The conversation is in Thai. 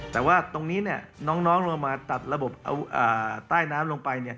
แต่ว่าตรงนี้น้องเรามาตัดระบบเอาใต้น้ำลงไป